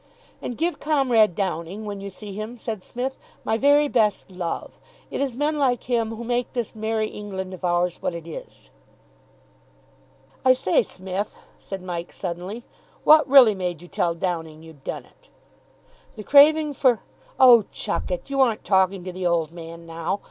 "And give Comrade Downing, when you see him," said Psmith, "my very best love. It is men like him who make this Merrie England of ours what it is." "I say, Psmith," said Mike suddenly, "what really made you tell Downing you'd done it?" "The craving for " "Oh, chuck it. You aren't talking to the Old Man now.